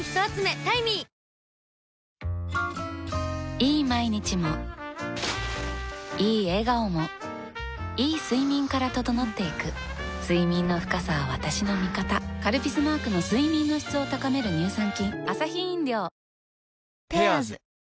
いい毎日もいい笑顔もいい睡眠から整っていく睡眠の深さは私の味方「カルピス」マークの睡眠の質を高める乳酸菌ニューアクアレーベルオールインワン